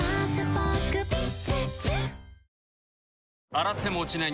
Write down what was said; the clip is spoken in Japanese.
洗っても落ちない